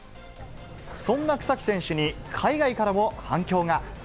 そんな草木選手に海外からも反響が。